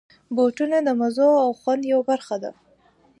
بوټونه د مزو او خوند یوه برخه ده.